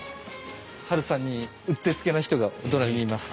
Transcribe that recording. ハルさんにうってつけの人が隣にいます。